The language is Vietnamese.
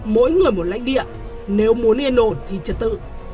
mỗi người một lãnh địa nếu muốn yên ổn thì trật tự